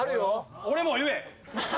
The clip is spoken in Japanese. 俺も言え！